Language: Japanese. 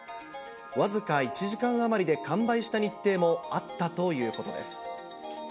僅か１時間余りで完売した日程もあったということです。